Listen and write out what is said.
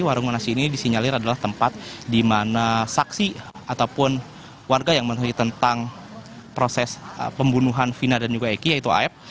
warung monasi ini disinyalir adalah tempat di mana saksi ataupun warga yang menuhi tentang proses pembunuhan vina dan juga eki yaitu af